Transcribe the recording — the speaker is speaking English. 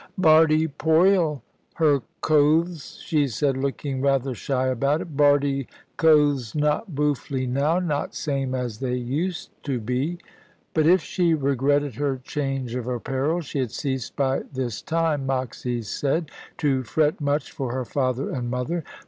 "Bardie 'poil her cothes," she said, looking rather shy about it: "Bardie's cothes not boofely now, not same as they used to be." But if she regretted her change of apparel, she had ceased by this time, Moxy said, to fret much for her father and mother.